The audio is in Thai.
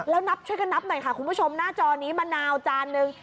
แล้วนับช่วยกันนับหน่อยค่ะคุณผู้ชมหน้าจอนี้มะนาวจานนึง